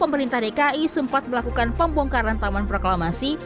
pemerintah dki sempat melakukan pembongkaran taman proklamasi